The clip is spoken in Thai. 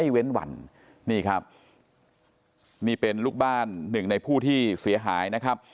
เว้นวันนี่ครับนี่เป็นลูกบ้านหนึ่งในผู้ที่เสียหายนะครับ